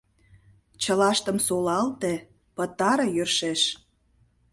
Чылаштым солалте, пытаре йӧршеш.